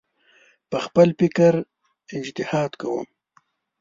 په خپل فکر اجتهاد کوم